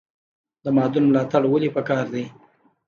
د مادون ملاتړ ولې پکار دی؟